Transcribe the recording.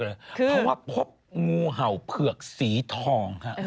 เพราะว่าพบงูเห่าเผือกสีทอง